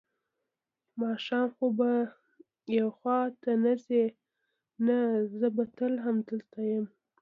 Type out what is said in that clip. ماښام خو به یو خوا ته نه ځې؟ نه، زه به تل همدلته یم.